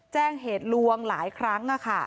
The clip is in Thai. แจ้งเหตุลวงหลายครั้ง